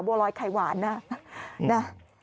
บวลอยไขว้นะ